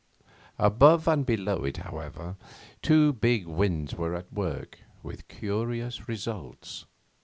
Above and below it, however, two big winds were at work, with curious results.